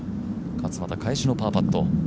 勝俣、返しのパーパット。